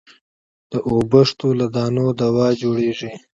د اوبښتو له دانو دوا جوړېږي.